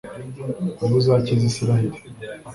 Ni we uzakiza Israheli